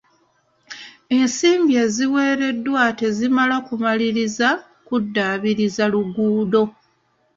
Ensimbi eziweereddwa tezimala kumaliriza kuddaabiriza luguudo.